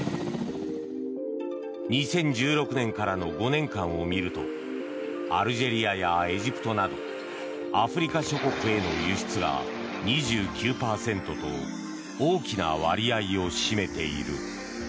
２０１６年からの５年間を見るとアルジェリアやエジプトなどアフリカ諸国への輸出が２９％と大きな割合を占めている。